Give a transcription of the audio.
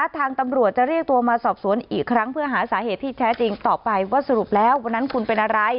ทางตำรวจจะเรียกตัวมาสอบสวนอีกครั้งเพื่อหาสาเหตุที่แท้จริงต่อไปว่าสรุปแล้ววันนั้นคุณเป็นอะไร